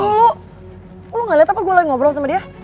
bentar dulu lo ga liat apa gue lagi ngobrol sama dia